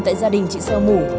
tại gia đình chị xeo mủ